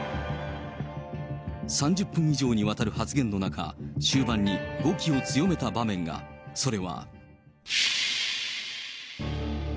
３０分以上にわたる発言の中、終盤に、語気を強めた場面が。それは。